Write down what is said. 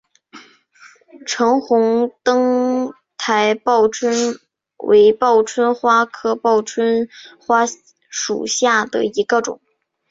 橙红灯台报春为报春花科报春花属下的一个种。